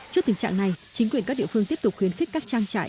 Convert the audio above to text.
trước tình trạng này chính quyền các địa phương tiếp tục khuyến khích các trang trại